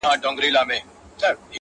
هندارې دا خو ستا له سترګو نه نازکه لاړه